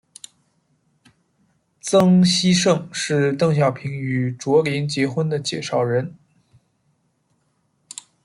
曾希圣是邓小平与卓琳结婚的介绍人。